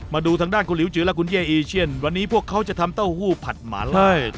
มาดูทางด้านคุณหลิวจือและคุณเย่อีเชียนวันนี้พวกเขาจะทำเต้าหู้ผัดหมาล่า